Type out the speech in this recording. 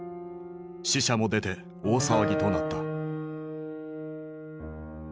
死者も出て大騒ぎとなった。